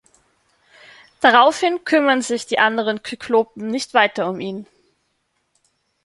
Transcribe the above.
Daraufhin kümmern sich die anderen Kyklopen nicht weiter um ihn.